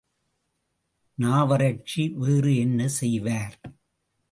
நாவறட்சி வேறு என்ன செய்வார்?